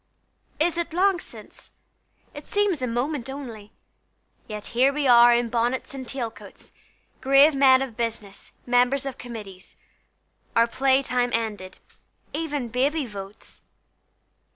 Is it long since? it seems a moment only: Yet here we are in bonnets and tail coats, Grave men of business, members of committees, Our play time ended: even Baby votes!